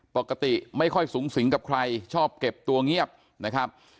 ปกติไม่ค่อยสูงสิงกับใครชอบเก็บตัวเงียบนะครับ